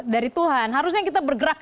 dari tuhan harusnya kita bergerak